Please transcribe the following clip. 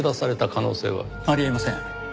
あり得ません。